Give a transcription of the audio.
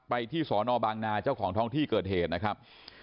ไปที่สอนอบางนาเจ้าของท้องที่เกิดเหตุนะครับ